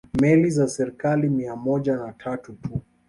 Meli za serikali mia moja na tatu tu